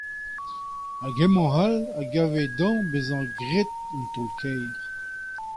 Ha hemañ all a gave dezhañ bezañ graet un taol kaer.